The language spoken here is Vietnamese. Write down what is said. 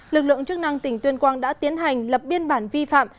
lực lượng chức năng tỉnh tuyên quang đã tiến hành lập biên bản vi phạm